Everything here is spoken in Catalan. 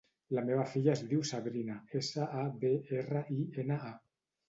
La meva filla es diu Sabrina: essa, a, be, erra, i, ena, a.